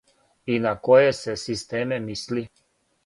И на које се системе мисли?